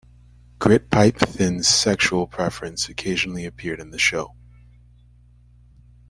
Grytpype-Thynne's sexual preference occasionally appeared in the show.